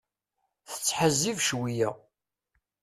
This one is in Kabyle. Ttḥezzib cwiya.